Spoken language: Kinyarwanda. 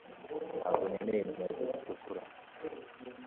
ntabwo nkeneye inkweto zitukura